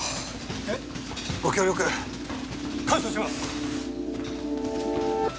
えっ？ご協力感謝します！